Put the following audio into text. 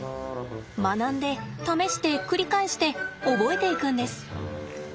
学んで試して繰り返して覚えていくんです。